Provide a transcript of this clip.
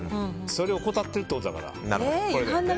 それを怠っているということだから。